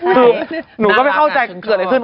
คือหนูก็ไม่เข้าใจเกิดอะไรขึ้น